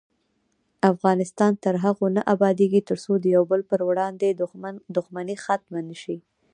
افغانستان تر هغو نه ابادیږي، ترڅو د یو بل پر وړاندې دښمني ختمه نشي.